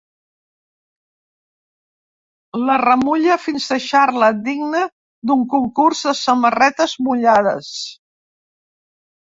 La remulla fins deixar-la digna d'un concurs de samarretes mullades.